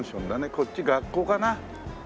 こっち学校かな？